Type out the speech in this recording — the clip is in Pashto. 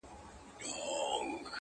د يو ښايستې سپيني كوتري په څېر؛